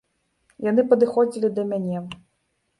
Яны падыходзілі да мяне.